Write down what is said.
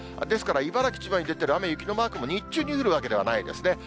ですから、茨城、千葉に出ている雨、雪のマークも日中に降るわけではないですね。